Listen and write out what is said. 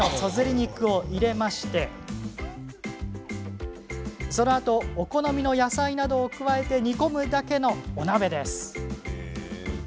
肉を入れてそのあとお好みの野菜などを加え煮込むだけのお鍋です。